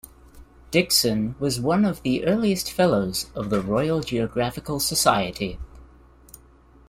Dickson was one of the earliest fellows of the Royal Geographical Society.